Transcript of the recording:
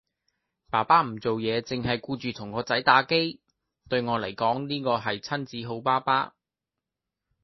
爸爸唔做嘢凈系顧住同個仔打機，對我嚟講呢個係親子好爸爸